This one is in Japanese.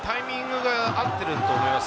タイミングが合っていると思います。